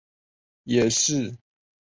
也是喀土穆总教区总主教。